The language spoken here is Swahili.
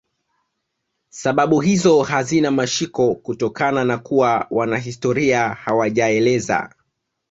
Sababu hizo hazina mashiko kutokana na kuwa wanahistoria hawajaeleza